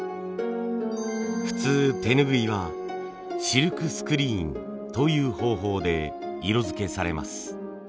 普通手ぬぐいはシルクスクリーンという方法で色づけされます。